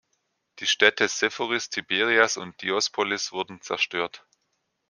Die Städte Sepphoris, Tiberias und Diospolis wurden zerstört.